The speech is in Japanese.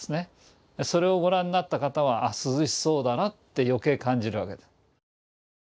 それをご覧になった方は「涼しそうだな」ってよけい感じるわけです。